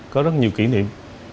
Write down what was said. có rất nhiều kỷ niệm